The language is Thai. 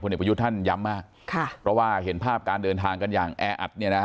เอกประยุทธ์ท่านย้ำมากเพราะว่าเห็นภาพการเดินทางกันอย่างแออัดเนี่ยนะฮะ